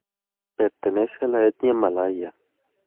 Pertenece a la etnia malaya.